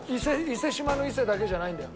伊勢志摩の伊勢だけじゃないんだよ。